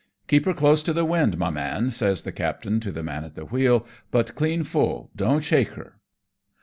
" Keep her close to the wind, my man,'" saj's the captain to the man at the wheel, "but clean full, don't shake her."